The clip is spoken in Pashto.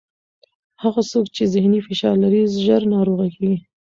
هغه څوک چې ذهني فشار لري، ژر ناروغه کېږي.